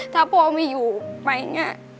ถ้าพ่อไม่อยู่ไปเนี่ย